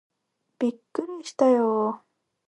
びっくりしたよー